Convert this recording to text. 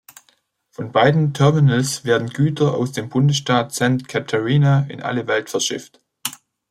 Von beiden Terminals werden Güter aus dem Bundesstaat Santa Catarina in alle Welt verschifft.